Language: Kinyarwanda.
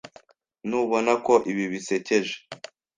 Ntubona ko ibi bisekeje?